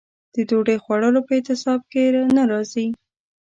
د ډوډۍ خوړلو په اعتصاب کې نه راځي.